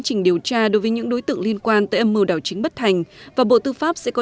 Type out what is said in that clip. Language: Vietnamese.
quan trà đối với những đối tượng liên quan tới âm mưu đảo chính bất thành và bộ tư pháp sẽ có